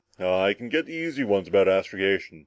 "Ah I can get the easy ones about astrogation.